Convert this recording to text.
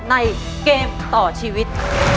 ในเกมต่อชีวิต